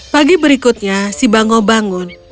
pagi berikutnya si bango bangun